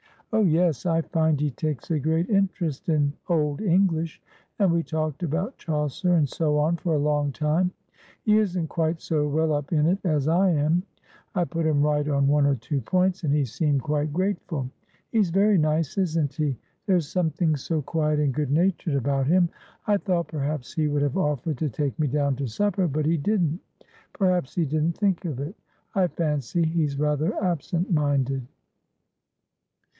"Oh, yes. I find he takes a great interest in Old English, and we talked about Chaucer and so on for a long time. He isn't quite so well up in it as I am; I put him right on one or two points, and he seemed quite grateful. He's very nice, isn't he? There's something so quiet and good natured about him. I thought perhaps he would have offered to take me down to supper, but he didn't. Perhaps he didn't think of it; I fancy he's rather absentminded."